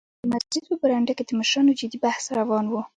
خو د مسجد په برنډه کې د مشرانو جدي بحث روان و.